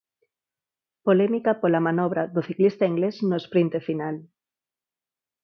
Polémica pola manobra do ciclista inglés no esprinte final.